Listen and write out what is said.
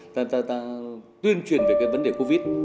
tuyên truyền về cái vấn đề covid